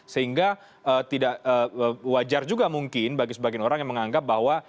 sehingga tidak wajar juga mungkin bagi sebagian orang yang menganggap bahwa